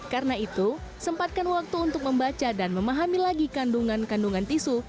karena itu sempatkan waktu untuk membaca dan memahami lagi kandungan kandungan tisu